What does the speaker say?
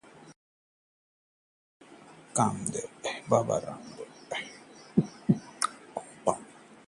बाबा रामदेव के भाई पर अपहरण का मामला दर्ज